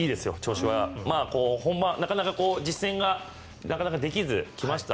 なかなか実戦ができず来ました。